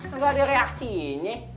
he gak ada reaksi ini